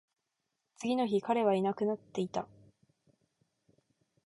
次の日、彼はいなくなっていた